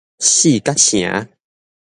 四角城